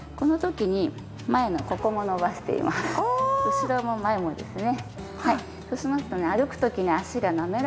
後ろも前もですね。